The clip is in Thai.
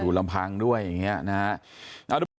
ลำพังด้วยอย่างนี้นะครับ